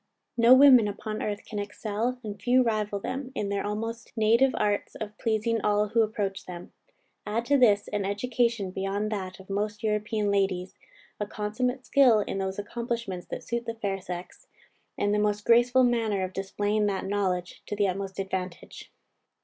_" No women upon earth can excel, and few rival them, in their almost native arts of pleasing all who approach them. Add to this, an education beyond that of most European ladies, a consummate skill in those accomplishments that suit the fair sex, and the most graceful manner of displaying that knowledge to the utmost advantage.